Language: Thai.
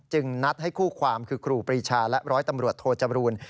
นัดให้คู่ความคือครูปรีชาและร้อยตำรวจโทจบรูล